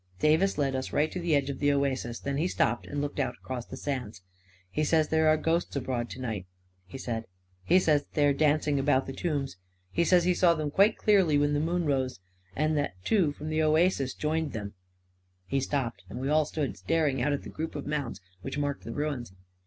Davis led us right to the edge of the oasis. Then he stopped and looked out across the sands. 11 He says there are ghosts abroad to night," he said. " He says they are dancing about the tombs. He says he saw them quite clearly when the moon rose ; and that two from the oasis joined them ..," i A KING IN BABYLON 313 He stopped and we all stood staring out at the group of mounds which marked the ruins.